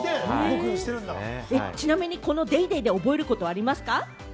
ちなみにこの『ＤａｙＤａｙ．』で覚えることありますか？